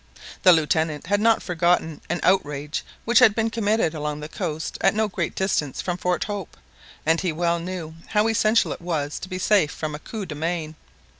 The Lieutenant had not forgotten an outrage which had been committed along the coast at no great distance from Fort Hope, and he well knew how essential it was to be safe from a coup de main.